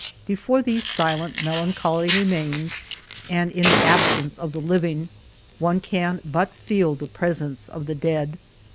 Before these silent, melancholy remains and in the absence of the living, one can but feel the presence of the dead.